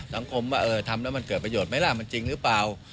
สังคมว่าเออทำแล้วมันเกิดประโยชน์ไหมล่ะมันจริงหรือเปล่า